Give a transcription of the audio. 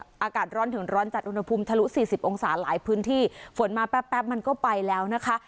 อากาศร้อนถึงร้อนจัดอุณหภูมิทะลุสี่สิบองศาหลายพื้นที่ฝนมาแป๊บแป๊บมันก็ไปแล้วนะคะ